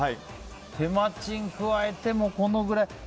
手間賃を加えても、このくらい。